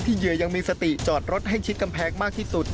เหยื่อยังมีสติจอดรถให้ชิดกำแพงมากที่สุด